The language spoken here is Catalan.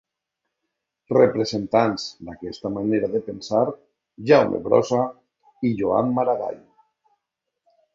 Representants d'aquesta manera de pensar: Jaume Brossa i Joan Maragall.